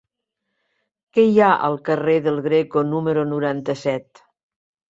Què hi ha al carrer del Greco número noranta-set?